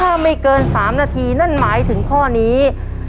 ถ้าไม่เกิน๓นาทีนั่นหมายถึงข้อนี้